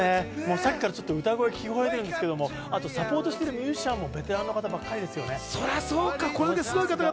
さっきから歌声に聞き惚れてるんですけど、サポートしてるミュージシャンもベテランの方ばっかりですね。